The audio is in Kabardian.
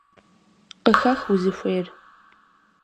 Къыхэх узыхуейр.